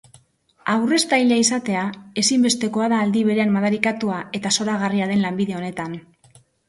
Aurreztailea izatea ezinbestekoa da aldi berean madarikatua eta zoragarria den lanbide honetan.